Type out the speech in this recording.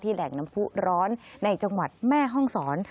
แหล่งน้ำผู้ร้อนในจังหวัดแม่ห้องศร